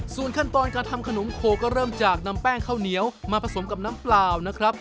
ส่วนขั้นตอนการทำขนมโคก็เริ่มจากนำแป้งข้าวเหนียวมาผสมกับน้ำเปล่านะครับ